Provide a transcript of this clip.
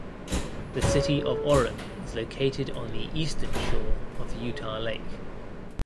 The City of Orem is located on the eastern shore of Utah Lake.